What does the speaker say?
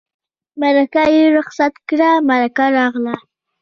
مرکه یې رخصت کړه مرکه راغله.